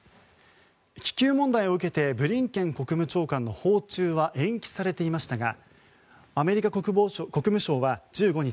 気球問題を受けてブリンケン国務長官の訪中は延期されていましたがアメリカ国務省は１５日